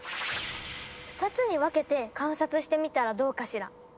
２つに分けて観察してみたらどうかしら。